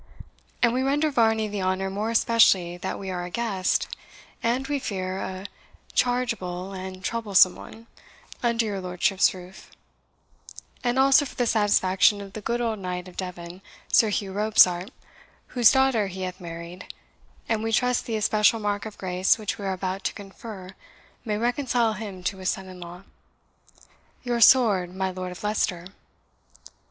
And we render Varney the honour more especially that we are a guest, and, we fear, a chargeable and troublesome one, under your lordship's roof; and also for the satisfaction of the good old Knight of Devon, Sir Hugh Robsart, whose daughter he hath married, and we trust the especial mark of grace which we are about to confer may reconcile him to his son in law. Your sword, my Lord of Leicester."